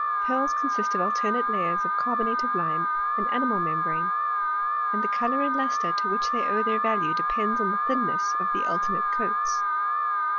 Pearls consist of alternate layers of carbonate of lime and animal membrane ; and the colour and lustre to which they owe their value depends upon the thinness of thft alternate coats.